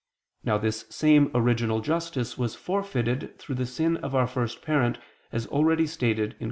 Now this same original justice was forfeited through the sin of our first parent, as already stated (Q.